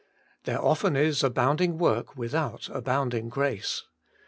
There often is abounding work without abounding grace.